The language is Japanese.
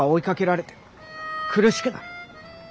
苦しくなる。